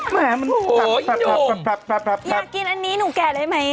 แหมมันแปปแปปอยากกินอันนี้หนูแกละได้ไหม